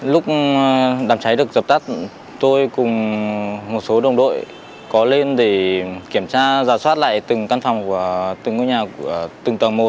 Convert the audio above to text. lúc đàm cháy được dập tắt tôi cùng một số đồng đội có lên để kiểm tra giả soát lại từng căn phòng từng nhà từng tầng một